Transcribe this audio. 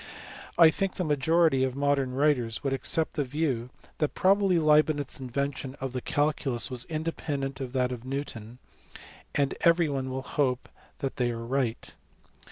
I think the majority of modern writers would accept the view that probably Leibnitz s invention of the calculus was independent of that of Newton, and everyone will hope that they are right.